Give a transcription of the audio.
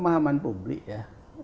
pemahaman publik ya